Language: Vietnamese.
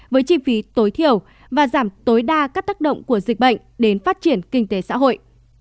với chi phí tối thiểu và giảm tối đa các tác động của dịch bệnh đến phát triển kinh tế xã hội